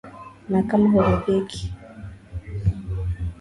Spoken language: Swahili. na kama huridhiki